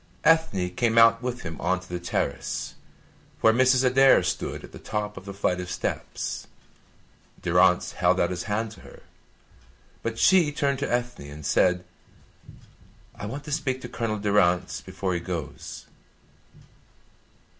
Ethne came out with him on to the terrace, where Mrs. Adair stood at the top of the flight of steps. Durrance held out his hand to her, but she turned to Ethne and said: "I want to speak to Colonel Durrance before he goes."